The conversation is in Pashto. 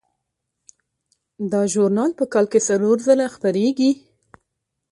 دا ژورنال په کال کې څلور ځله خپریږي.